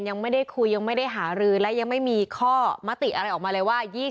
ยังไม่ได้คุยยังไม่ได้หารือและยังไม่มีข้อมติอะไรออกมาเลยว่า